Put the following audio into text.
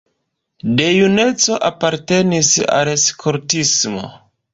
De juneco apartenis al skoltismo.